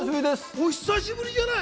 お久しぶりじゃない。